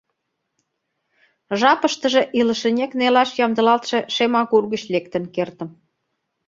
Жапыштыже илышынек нелаш ямдылалтше шем агур гыч лектын кертым.